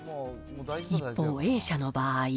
一方、Ａ社の場合。